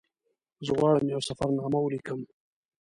زه غواړم یوه سفرنامه ولیکم.